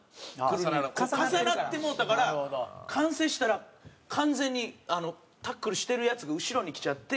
重なってもうたから完成したら完全にタックルしてるヤツが後ろに来ちゃって。